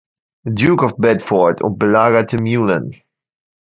Duke of Bedford, und belagerte Meulan.